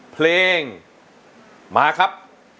เพลงมาครับ